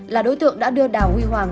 là đối tượng đã đưa đào huy hoàng